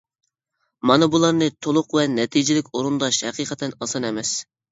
مانا بۇلارنى تولۇق ۋە نەتىجىلىك ئورۇنداش ھەقىقەتەن ئاسان ئەمەس.